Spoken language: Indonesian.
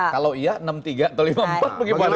kalau iya enam tiga atau lima puluh empat bagaimana